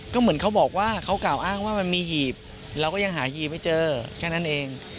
ก็เหมือนเขาบอกว่าเขากล่าวอ้างว่ามันมีหีบเราก็ยังหาหีบไม่เจอแค่นั้นเอง